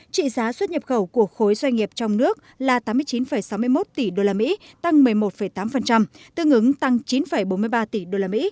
trị giá xuất nhập khẩu của khối doanh nghiệp trong nước là tám mươi chín sáu mươi một tỷ usd tăng một mươi một tám tương ứng tăng chín bốn mươi ba tỷ usd